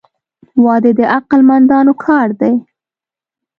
• واده د عقل مندانو کار دی.